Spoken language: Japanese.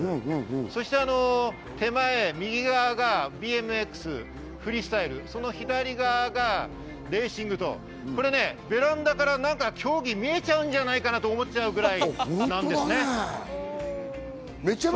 そして手前、右側がＢＭＸフリースタイル、その左側がレーシングと、ベランダから競技が見えちゃうんじゃないかなと思っちゃうぐらい。